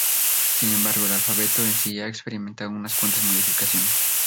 Sin embargo, el alfabeto en sí ha experimentado unas cuantas modificaciones.